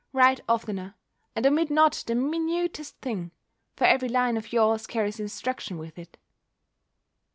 Write oftener, and omit not the minutest thing: for every line of yours carries instruction with it.